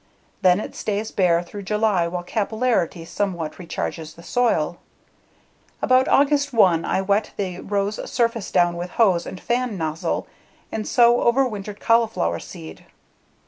Then it stays bare through July while capillarity somewhat recharges the soil. About August 1, I wet the row's surface down with hose and fan nozzle and sow overwintered cauliflower seed.